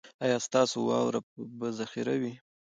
ایا ستاسو واوره به ذخیره وي؟